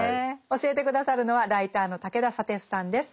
教えて下さるのはライターの武田砂鉄さんです。